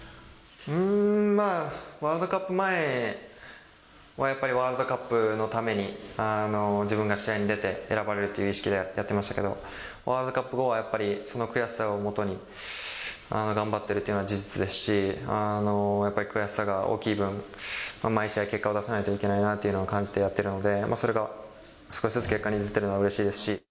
うーん、まあワールドカップ前はやっぱり、ワールドカップのために自分が試合に出て、選ばれるという意識でやってましたけど、ワールドカップ後はやっぱりその悔しさをもとに、頑張ってるっていうのは事実ですし、やっぱり悔しさが大きい分、毎試合、結果を出さないといけないなと感じてやっているので、それが少しずつ結果に出てるのはうれしいですし。